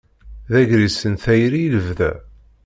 D agris n tayri i lebda.